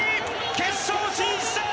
決勝進出！